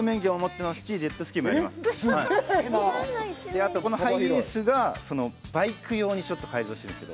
あとこのハイエースがバイク用にちょっと改造してるんですよ。